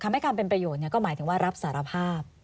ให้การเป็นประโยชน์ก็หมายถึงว่ารับสารภาพ